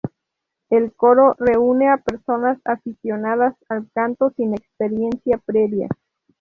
El coro reúne a personas aficionadas al canto sin experiencia previa.